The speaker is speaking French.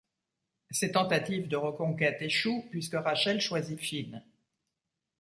Ses tentatives de reconquête échouent, puisque Rachel choisit Finn.